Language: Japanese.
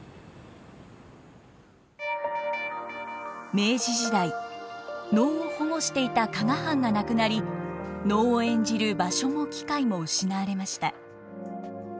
明治時代能を保護していた加賀藩がなくなり能を演じる場所も機会も失われました。